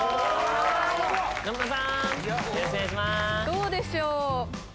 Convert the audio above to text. どうでしょう？